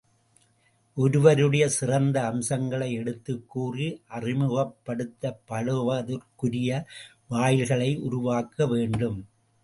ஒருவருடைய சிறந்த அம்சங்களை எடுத்துக் கூறி அறிமுகப்படுத்தப் பழகுவதற்குரிய வாயில்களை உருவாக்கவேண்டும்.